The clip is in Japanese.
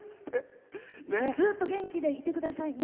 ずっと元気でいてくださいね。